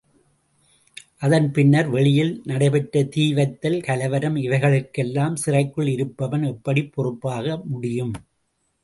அதன் பின்னர் வெளியில் நடைபெற்ற தீ வைத்தல், கலவரம் இவைகளுக்கெல்லாம் சிறைக்குள் இருப்பவன் எப்படிப் பொறுப்பாக முடியும்?